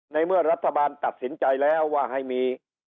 ในเมื่อรัฐบาลตัดสินใจแล้วว่าให้มี